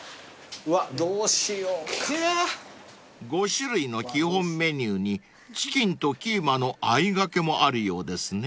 ［５種類の基本メニューにチキンとキーマのあいがけもあるようですね］